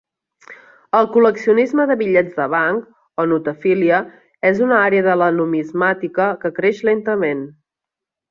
El col·leccionisme de bitllets de banc, o notafília, és una àrea de la numismàtica que creix lentament.